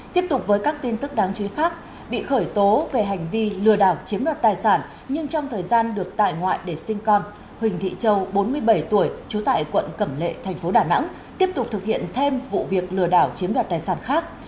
tiếp tục với các tin tức đáng chú ý khác bị khởi tố về hành vi lừa đảo chiếm đoạt tài sản nhưng trong thời gian được tại ngoại để sinh con huỳnh thị châu bốn mươi bảy tuổi trú tại quận cẩm lệ thành phố đà nẵng tiếp tục thực hiện thêm vụ việc lừa đảo chiếm đoạt tài sản khác